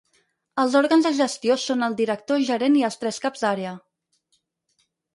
Els òrgans de gestió són el director gerent i els tres caps d'àrea.